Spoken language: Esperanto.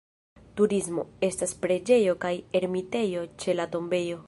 Turismo: estas preĝejo kaj ermitejo ĉe la tombejo.